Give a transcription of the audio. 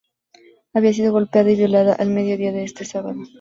Había sido golpeada y violada, al mediodía de ese sábado.